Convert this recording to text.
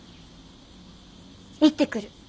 行ってくる。